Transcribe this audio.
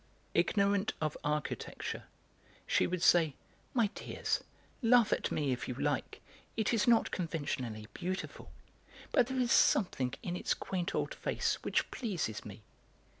Ignorant of architecture, she would say: "My dears, laugh at me if you like; it is not conventionally beautiful, but there is something in its quaint old face which pleases me.